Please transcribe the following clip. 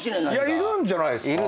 いるんじゃないっすか。